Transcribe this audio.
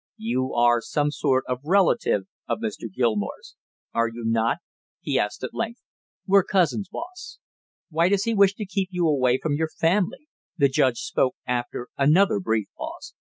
"You are some sort of a relative of Mr. Gilmore's, are you not?" he asked at length. "We're cousins, boss." "Why does he wish to keep you away from your family?" the judge spoke after another brief pause.